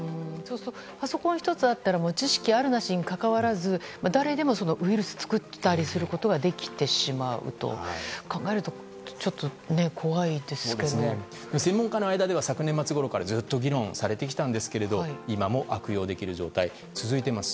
パソコン１つあったら知識あるなしにかかわらず誰でもウイルスを作ってしまうことができてしまうと専門家の間では昨年末ごろからずっと議論されてきたんですが今も悪用できる状態が続いています。